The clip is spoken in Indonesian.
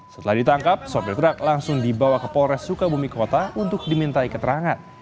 setelah ditangkap sopir truk langsung dibawa ke polres sukabumi kota untuk dimintai keterangan